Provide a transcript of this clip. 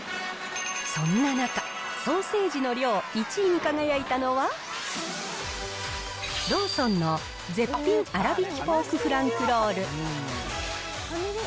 そんな中、ソーセージの量１位に輝いたのは、ローソンの絶品あらびきポークフランクロール。